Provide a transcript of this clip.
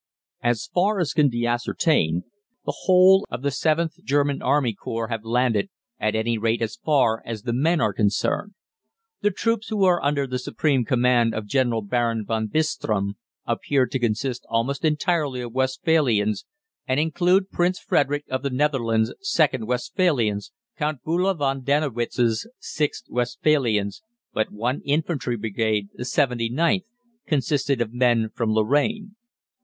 "As far as can be ascertained, the whole of the VIIth German Army Corps have landed, at any rate as far as the men are concerned. The troops, who are under the supreme command of General Baron von Bistram, appear to consist almost entirely of Westphalians, and include Prince Frederick of the Netherlands' 2nd Westphalians; Count Bulow von Dennewitz's 6th Westphalians; but one infantry brigade, the 79th, consisted of men from Lorraine.